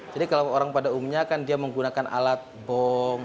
jadi kalau orang pada umumnya kan dia menggunakan alat bong hasil